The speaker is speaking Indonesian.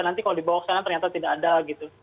nanti kalau dibawa ke sana ternyata tidak ada gitu